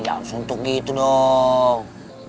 jangan suntuk gitu dong